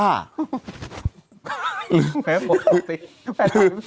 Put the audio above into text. ลาที๔